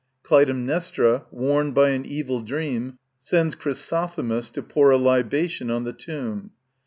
Clytemnestra, warned by an evil dream, sends Chryso themis to pour a libation on the tomb.